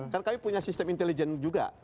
kan kami punya sistem intelijen juga